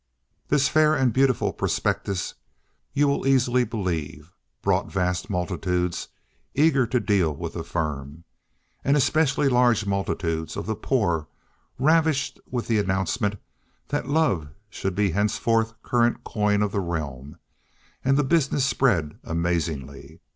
This fair and beautiful prospectus, you will easily believe, brought vast multitudes eager to deal with the firm, and especially large multitudes of the poor, ravished with the announcement that love should be henceforth current coin of the realm; and the business spread amazingly.